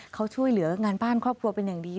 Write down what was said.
เขาช่วยเหลืองานบ้านครอบครัวเป็นอย่างดี